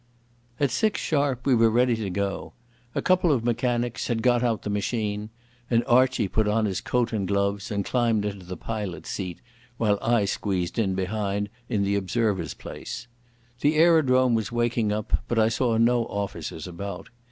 At six sharp we were ready to go. A couple of mechanics had got out the machine, and Archie put on his coat and gloves and climbed into the pilot's seat, while I squeezed in behind in the observer's place. The aerodrome was waking up, but I saw no officers about.